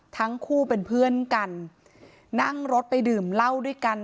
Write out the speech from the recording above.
ทั้งคู่เป็นเพื่อนกันนั่งรถไปดื่มเหล้าด้วยกัน